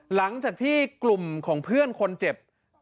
หลังจากที่กลุ่มของเพื่อนคนเจ็บ